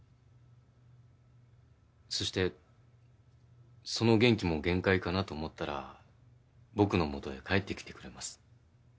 そしてその元気も限界かなと思ったら僕のもとへ帰ってきてくれます。